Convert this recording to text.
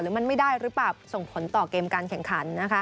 มันไม่ได้หรือเปล่าส่งผลต่อเกมการแข่งขันนะคะ